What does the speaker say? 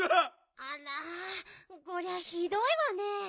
あらこりゃひどいわね。